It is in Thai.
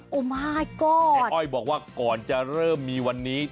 มาก็เจ๊อ้อยบอกว่าก่อนจะเริ่มมีวันนี้